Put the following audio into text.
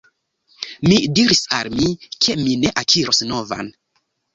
Mi diris al mi, ke mi ne akiros novan.